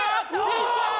いったー！